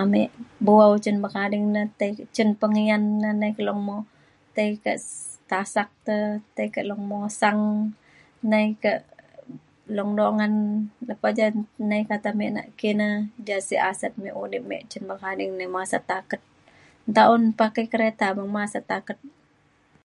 ame bu’au cin pekading na tai cin penguyan na nai ke Long Moh tai kak Asap te tai kak Long Musang nai kak Long Dungan lepa ja nai kata me na ki na ja sek asen me udip me cen mekading ni masat taket. nta un pakai kereta [unintelligible] masat taket